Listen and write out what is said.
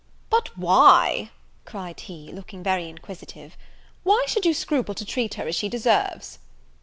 "But why," cried he, (looking very inquisitive,) "why should you scruple to treat her as she deserves?"